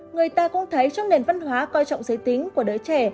người ta cũng thấy trong nền văn hóa coi trọng giới tính của đứa trẻ